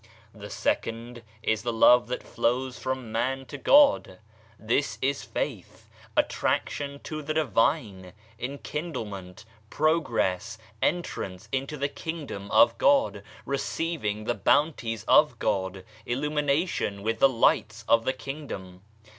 The second is the love that flows from man to God. This is faith, attraction to the Divine, enkindlement, progress, entrance into the Kingdom of God, receiving the Bounties of God, illumination with the lights of the Kingdom.